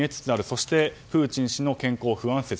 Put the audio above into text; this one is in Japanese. そして、プーチン氏の健康不安説。